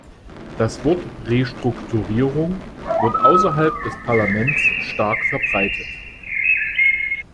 Das Wort "Restrukturierung" wird außerhalb des Parlaments stark verbreitet.